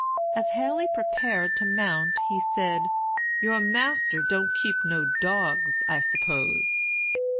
As Haley prepared to mount, he said, 'Your master don't keep no dogs, I s'pose?'